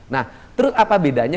nah terus apa bedanya